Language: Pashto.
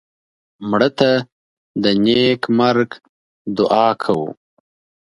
مړه ته د نیک مرګ دعا کوو